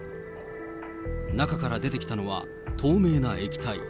中から出てきたのは、透明な液体。